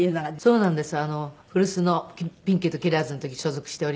そうなんです。